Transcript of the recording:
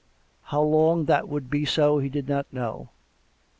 ... How long that would be so, he did not know.